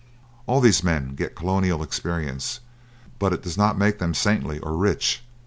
All these men get colonial experience, but it does not make them saintly or rich.